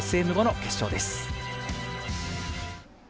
ＳＭ５の決勝です。